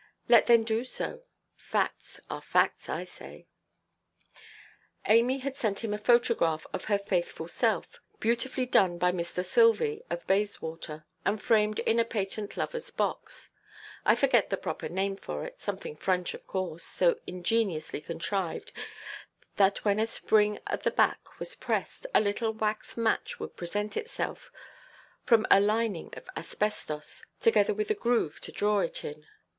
Let them do so. Facts are facts, I say. Amy had sent him a photograph of her faithful self, beautifully done by Mr. Silvy, of Bayswater, and framed in a patent loverʼs box, I forget the proper name for it—something French, of course—so ingeniously contrived, that when a spring at the back was pressed, a little wax match would present itself, from a lining of asbestos, together with a groove to draw it in.